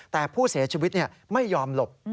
แต่ผู้เสียชีวิตไม่ยอมหลบ